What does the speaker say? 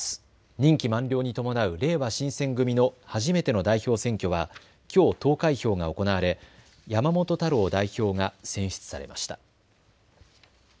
任期満了に伴うれいわ新選組の初めての代表選挙はきょう投開票が行われ山本太郎代表が選出されました。